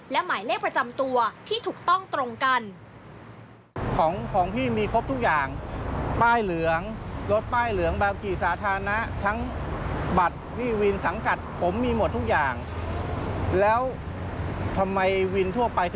และหมายเลขประจำตัวที่ถูกต้องตรงกัน